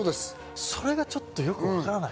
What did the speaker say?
それがちょっとよく分らない。